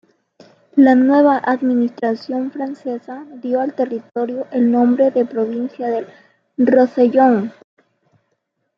La nueva administración francesa dio al territorio el nombre de provincia del Rosellón.